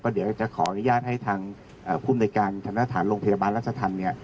เดี๋ยวจะขออนุญาตให้ทางภูมิในการธนฐานโรงพยาบาลรัชธรรม